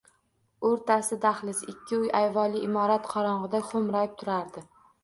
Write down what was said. Oʼrtasi dahliz, ikki uy, ayvonli imorat qorongʼida xoʼmrayib turardi.